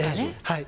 はい。